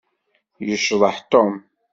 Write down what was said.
Yecḍeḥ Tom.